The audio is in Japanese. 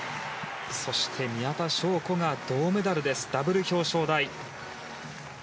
そして宮田笙子が銅メダルでダブル表彰台。